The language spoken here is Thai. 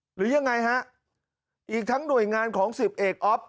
หรือยังไงฮะอีกทั้งหน่วยงานของสิบเอกอ๊อฟ